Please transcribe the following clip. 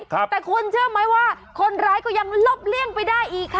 แต่คุณเชื่อไหมว่าคนร้ายก็ยังลบเลี่ยงไปได้อีกค่ะ